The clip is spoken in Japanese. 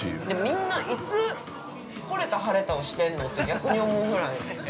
◆みんな、いつ、ほれた腫れたをしてんの？って逆に思うぐらい。